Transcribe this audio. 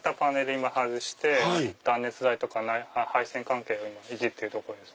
今外して断熱材とか配線関係いじってるとこです。